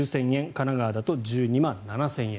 神奈川だと１２万７０００円。